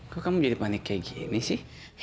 kok kamu jadi panik kayak gini sih